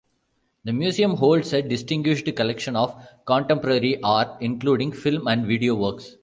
The museum holds a distinguished collection of contemporary art, including film and video works.